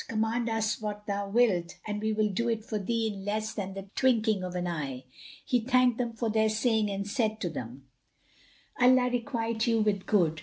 Command us what thou wilt, and we will do it for thee in less than the twinking of an eye." He thanked them for their saying and said to them "Allah requite you with good!